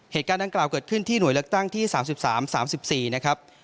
เหตุการณ์นั้นกล่าวเกิดขึ้นที่หน่วยเลือกตั้งที่สามสิบสามสามสิบสี่นะครับ